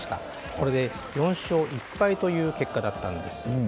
これで４勝１敗という結果だったんです。